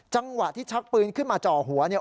จังหวะที่ชักปืนขึ้นมาจ่อหัวเนี่ย